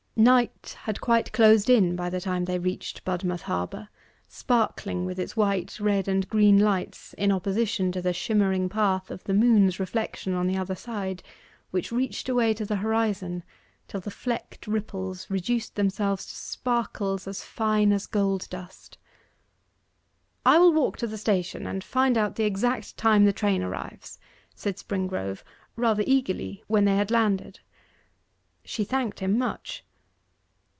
Night had quite closed in by the time they reached Budmouth harbour, sparkling with its white, red, and green lights in opposition to the shimmering path of the moon's reflection on the other side, which reached away to the horizon till the flecked ripples reduced themselves to sparkles as fine as gold dust. 'I will walk to the station and find out the exact time the train arrives,' said Springrove, rather eagerly, when they had landed. She thanked him much.